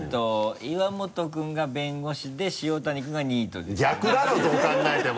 岩本君が弁護士で塩谷君がニートで。